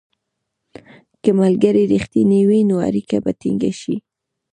که ملګري رښتیني وي، نو اړیکه به ټینګه شي.